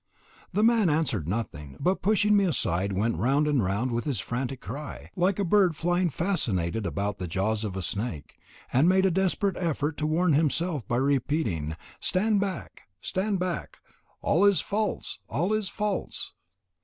The man answered nothing, but pushing me aside went round and round with his frantic cry, like a bird flying fascinated about the jaws of a snake, and made a desperate effort to warn himself by repeating: "Stand back! Stand back!! All is false! All is false!!"